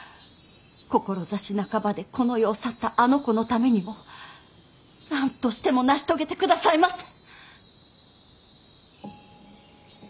志半ばでこの世を去ったあの子のためにも何としても成し遂げてくださいませ。